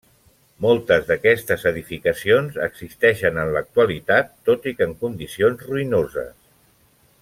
Moltes d'aquestes edificacions existeixen en l'actualitat, tot i que en condicions ruïnoses.